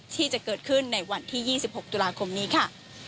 ที่จะเกิดขึ้นในวันที่๒๖ตุลาคมนี้ค่ะ